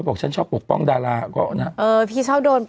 ก็ให้เกร็ดวัดโน้น